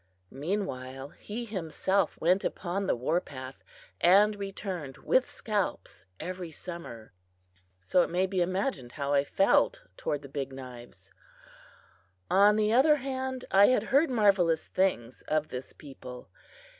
Meanwhile, he himself went upon the war path and returned with scalps every summer. So it may be imagined how I felt toward the Big Knives! On the other hand, I had heard marvelous things of this people.